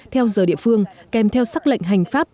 theo giờ địa phương kèm theo sắc lệnh hành pháp